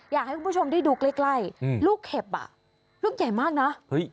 อยากให้คุณผู้ชมได้ดูใกล้ลูกเข็บอ่ะลูกใหญ่มากนะ